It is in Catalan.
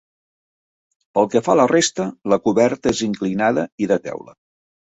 Pel que fa a la resta, la coberta és inclinada i de teula.